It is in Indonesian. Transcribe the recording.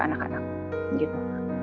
untuk anak anak gitu